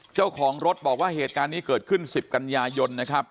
เจ้าของรถบอกว่าเหตุการณ์นี้เกิดขึ้น๑๐กันยายนนะครับ